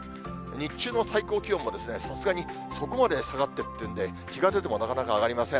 日中の最高気温も、さすがにそこまで下がってってるっていうんで、日が出ても上がりません。